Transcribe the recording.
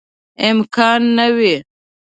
امکان نه وي.